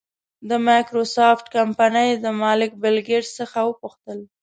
د مایکروسافټ کمپنۍ د مالک بېل ګېټس څخه وپوښتل.